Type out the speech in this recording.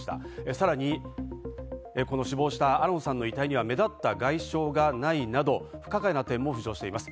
さらに死亡した新野さんの遺体には目立った外傷がないなど、不可解な点も浮上しています。